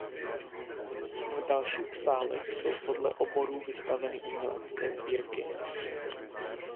V dalších sálech jsou podle oborů vystaveny umělecké sbírky.